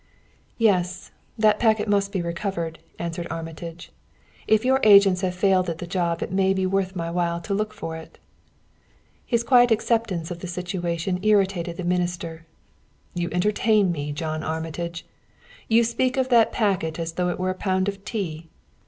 "Yes; that packet must be recovered," answered Armitage. "If your agents have failed at the job it may be worth my while to look for it." His quiet acceptance of the situation irritated the minister. "You entertain me, John Armitage! You speak of that packet as though it were a pound of tea.